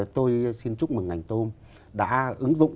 tôi xin chúc mừng ngành tôm đã ứng dụng